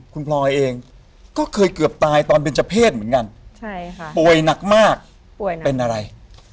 คุณพลอยเองก็เคยเกือบตายตอนเป็นเจ้าเพศเหมือนกันป่วยหนักมากเป็นอะไร